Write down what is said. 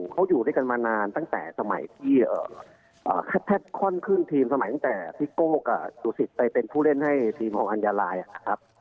เขาอยู่ด้วยกันมานานตั้งแต่สมัยที่แท็กคอนขึ้นทีมสมัยตั้งแต่พี่โก้กับสุศิษย์ไปเป็นผู้เล่นให้ทีมของอัญญาลายนะครับ